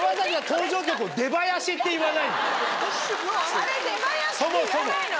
あれ出囃子っていわないのよ。